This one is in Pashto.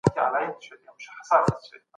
ولي د ټکنالوژۍ کارول عام سوي؟